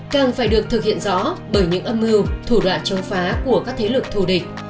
càng phải được thực hiện rõ bởi những âm mưu thủ đoạn chống phá của các thế lực thù địch